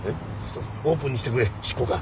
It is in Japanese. オープンにしてくれ執行官。